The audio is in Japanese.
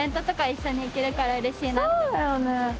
そうだよね。